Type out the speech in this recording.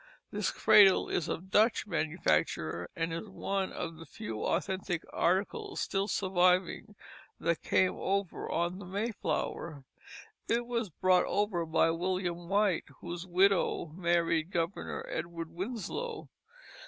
This cradle is of Dutch manufacture; and is one of the few authentic articles still surviving that came over on the Mayflower. It was brought over by William White, whose widow married Governor Edward Winslow.